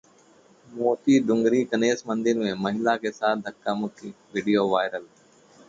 मोती डूंगरी गणेश मंदिर में महिला के साथ धक्का-मुक्की, वीडियो वायरल